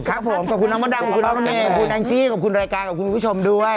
ครับผมขอบคุณน้องว่าดังขอบคุณน้องแม่ขอบคุณแอนจี้ขอบคุณรายการขอบคุณผู้ชมด้วย